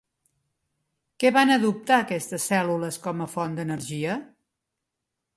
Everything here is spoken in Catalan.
Què van adoptar aquestes cèl·lules com a font d'energia?